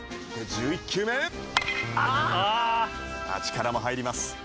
力も入ります。